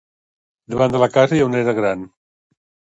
Davant de la casa hi ha una era gran.